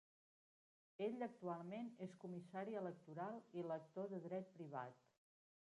Ell actualment és comissari electoral i lector de dret privat.